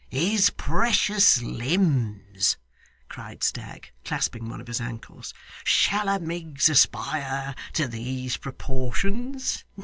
'His precious limbs!' cried Stagg, clasping one of his ankles. 'Shall a Miggs aspire to these proportions!